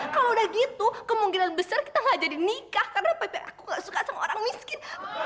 kalau udah gitu kemungkinan besar kita nggak jadi nikah karena papi dan aku nggak suka sama orang miskin